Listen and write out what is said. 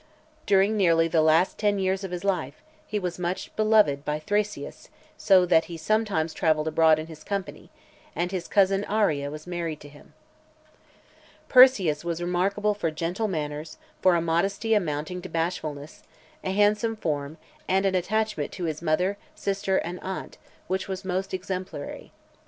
During nearly the last ten years of his life he was much beloved by Thraseas, so that he sometimes travelled abroad in his company; and his cousin Arria was married to him. Persius was remarkable for gentle manners, for a modesty amounting to bashfulness, a handsome form, and an attachment to his mother, sister, and aunt, which was most exemplary.